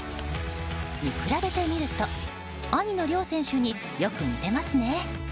見比べてみると兄の遼選手によく似てますね。